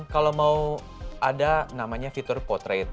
kalau mau ada namanya fitur potret